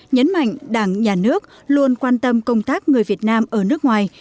nhấn mạnh đảng nhà nước luôn quan tâm công tác người việt nam ở nước ngoài